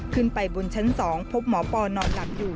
ขึ้นไปบนชั้น๒พบหมอปอนอนหลับอยู่